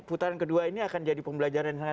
putaran kedua ini akan jadi pembelajaran yang sangat